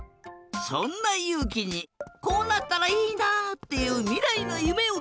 そんなゆうきにこうなったらいいな！っていうみらいのゆめをきいてみよう！